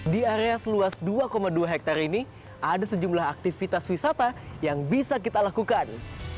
di area seluas dua dua hektare ini ada sejumlah aktivitas wisata yang bisa kita lakukan